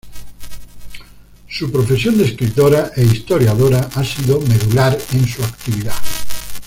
Su profesión de escritora e historiadora ha sido medular en su actividad.